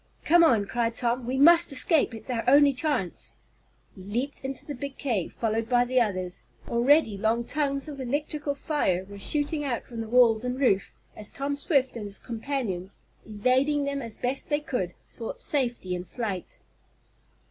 "Come on!" cried Tom. "We must escape! It's our only chance!" He leaped into the big cave, followed by the others. Already long tongues of electrical fire were shooting out from the walls and roof as Tom Swift and his companions, evading them as best they could, sought safety in flight.